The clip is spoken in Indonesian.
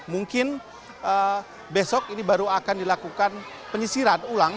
mungkin besok ini baru akan dilakukan penyisiran ulang